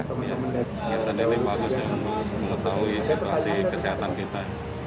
kegiatan ini bagus ya untuk mengetahui situasi kesehatan kita